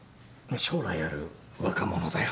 将来ある若者だよ。